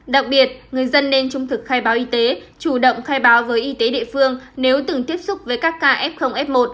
đặc biệt người dân nên trung thực khai báo y tế chủ động khai báo với y tế địa phương nếu từng tiếp xúc với các ca f f một